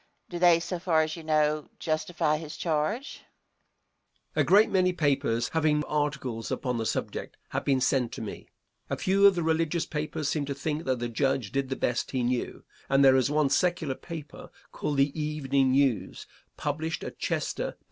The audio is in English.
Do they, so far as you know, justify his charge? Answer. A great many papers having articles upon the subject have been sent to me. A few of the religious papers seem to think that the Judge did the best he knew, and there is one secular paper called the Evening News, published at Chester, Pa.